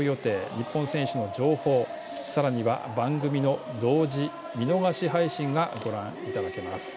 日本選手の情報、さらには番組の同時見逃し配信がご覧いただけます。